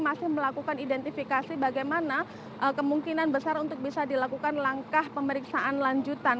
masih melakukan identifikasi bagaimana kemungkinan besar untuk bisa dilakukan langkah pemeriksaan lanjutan